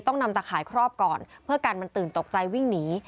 ต้องนำตะข่ายครอบก่อนเพื่อกันมันตื่นตกใจวิ่งหนี